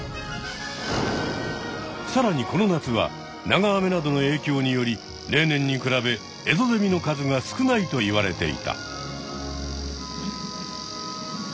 さらにこの夏は長雨などの影響により例年に比べエゾゼミの数が少ないといわれていた。